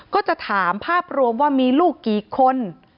ก็จะถามภาพรวมว่ามีลูกกี่คน